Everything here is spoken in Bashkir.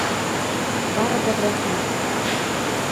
Барыбер рәхмәт!